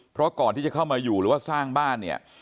เพราะก่อนที่จะเข้ามาอยู่หรือว่าสร้างบ้านเนี่ย